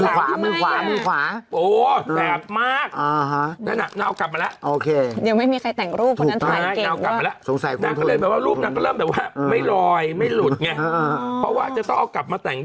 ล้ายออกไปปักหนึ่งนางเอากลับมาแล้วนะ